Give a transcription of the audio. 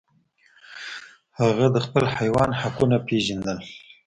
هغه د خپل حیوان حقونه پیژندل.